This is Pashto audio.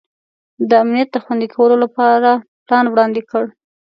د امنیت د خوندي کولو لپاره پلان وړاندي کړ.